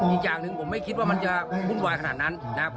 อีกอย่างหนึ่งผมไม่คิดว่ามันจะวุ่นวายขนาดนั้นนะครับ